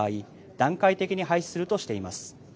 段階的に廃止するとしています。